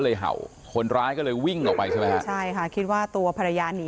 เห่าคนร้ายก็เลยวิ่งออกไปใช่ไหมฮะใช่ค่ะคิดว่าตัวภรรยาหนี